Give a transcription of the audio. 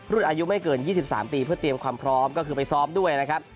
อายุไม่เกิน๒๓ปีเพื่อเตรียมความพร้อมก็คือไปซ้อมด้วยนะครับ